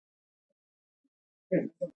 په افغانستان کې د زغال تاریخ اوږد دی.